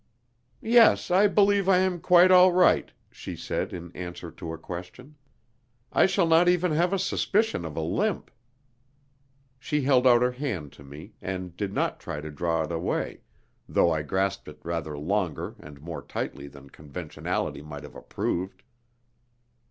"Yes, I believe I am quite all right," she said, in answer to a question. "I shall not even have a suspicion of a limp." She held out her hand to me, and did not try to draw it away, though I grasped it rather longer and more tightly than conventionality might have approved.